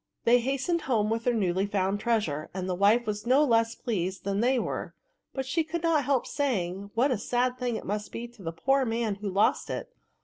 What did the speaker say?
They hastened home with the newly found treasure, and the wife was no less pleased than they were ; but she could not help saying, what a sad thing it must be to the poor man who lost it.